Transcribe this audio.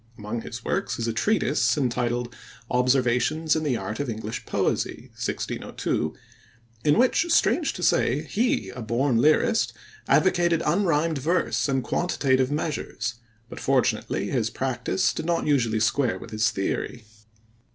Among his works is a treatise entitled Observations in the Art of English Poesie (1602), in which, strange to say, he, a born lyrist, advocated unrhymed verse and quantitative measures, but fortunately his practice did not usually square with his theory.